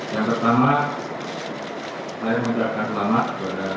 yang pertama saya mengucapkan selamat kepada